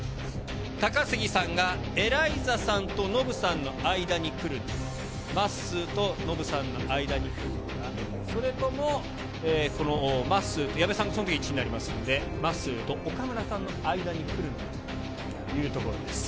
高杉さんが、エライザさんとノブさんの間にくる、まっすーとノブさんの間にくるか、それとも、このまっすーと、そのとき矢部さんがこのとき１位になりますので、まっすーと岡村さんの間にくるというところです。